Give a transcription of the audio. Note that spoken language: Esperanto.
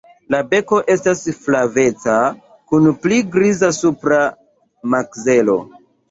La beko estas flaveca kun pli griza supra makzelo.